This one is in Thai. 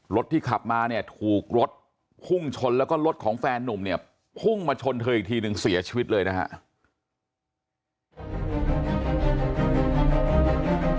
รถที่ขับมาเนี่ยถูกรถพุ่งชนแล้วก็รถของแฟนนุ่มเนี่ยพุ่งมาชนเธออีกทีหนึ่งเสียชีวิตเลยนะฮะ